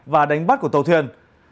và đánh bắt của tàu thuyền